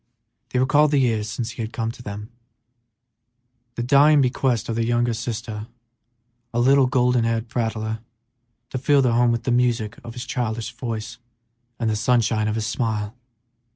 They recalled the years since he had come to them, the dying bequest of their youngest sister, a little, golden haired prattler, to fill their home with the music of his childish voice and the sunshine of his smile.